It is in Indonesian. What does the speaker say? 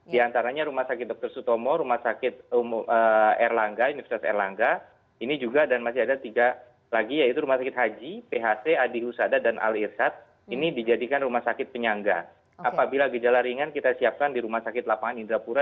di antaranya rumah sakit dokter